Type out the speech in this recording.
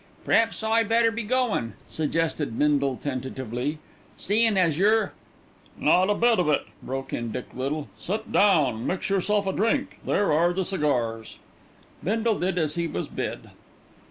"P'r'aps I'd better be goin'," suggested Bindle tentatively, "seein' as you're " "Not a bit of it," broke in Dick Little; "sit down, mix yourself a drink; there are the cigars." Bindle did as he was bid.